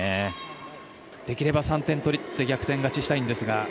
できれば３点取って逆転勝ちしたいんですが。